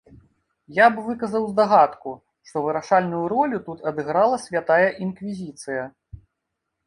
Я б выказаў здагадку, што вырашальную ролю тут адыграла святая інквізіцыя.